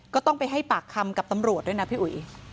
ก็ต้องไปให้ปากคำกับตำรวจด้วยนะพี่อุ๋ย